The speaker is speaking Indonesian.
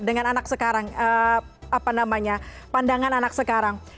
dengan anak sekarang apa namanya pandangan anak sekarang